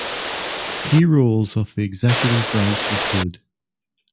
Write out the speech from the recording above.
Key roles of the executive branch include: